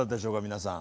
皆さん。